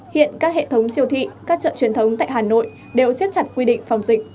hiện các hệ thống siêu thị các chợ truyền thống tại hà nội đều xiết chặt quy định phòng dịch